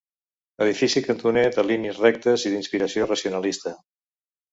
Edifici cantoner de línies rectes i d'inspiració racionalista.